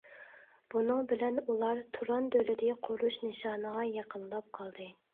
بۇنىڭ بىلەن ئۇلار تۇران دۆلىتى قۇرۇش نىشانىغا يېقىنلاپ قالدى.